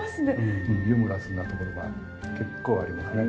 ユーモラスなところが結構ありますね